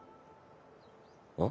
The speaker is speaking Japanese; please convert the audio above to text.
あ？